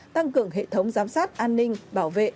tăng cường hệ thống giám sát an ninh bảo vệ